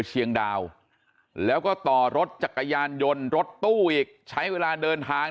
เชียงดาวแล้วก็ต่อรถจักรยานยนต์รถตู้อีกใช้เวลาเดินทาง